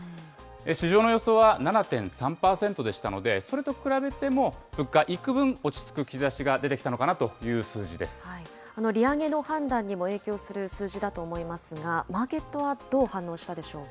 市場の予想は７．３％でしたので、それと比べても物価、いくぶん落ち着く兆しが出てきたのかなとい利上げの判断にも影響する数字だと思いますが、マーケットはどう反応したでしょうか。